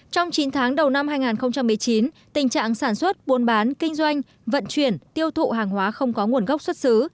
trong chín tháng đầu năm hai nghìn một mươi chín tình trạng sản xuất buôn bán kinh doanh vận chuyển tiêu thụ hàng hóa không có nguồn gốc xuất xứ